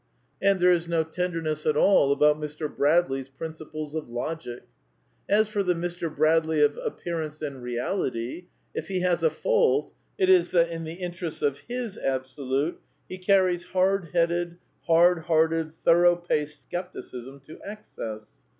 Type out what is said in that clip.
And there is no tenderness at all about Mr. Bradley's Princples of Logic. As for the Mr. Bradley of Appearance and Reality, if he has a fault, it is that, in the interests of his Absolute, he carries hard headed, hard hearted, thor^ ough paced scepticism to excess.